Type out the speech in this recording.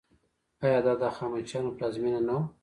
آیا دا د هخامنشیانو پلازمینه نه وه؟